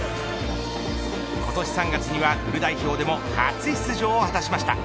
今年３月にはフル代表でも初出場を果たしました。